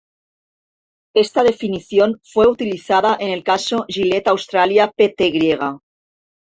Esta definición fue utilizada en el caso Gillette Australia Pty.